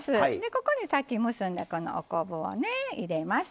ここで、さっき結んだお昆布を入れます。